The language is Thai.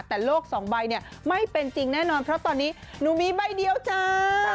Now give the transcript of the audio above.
แต่โลกสองใบเนี่ยไม่เป็นจริงแน่นอนเพราะตอนนี้หนูมีใบเดียวจ้า